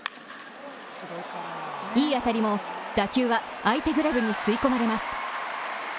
いい当たりも打球は相手グラブに吸い込まれます。